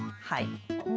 はい。